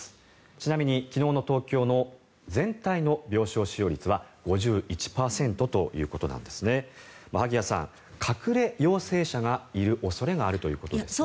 ちなみに昨日の東京の全体の病床使用率は５１％ということなんですね。